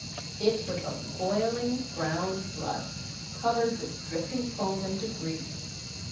It was a boiling brown flood, covered with drifting foam and debris.